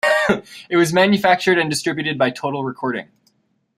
It was manufactured and distributed by Total Recording.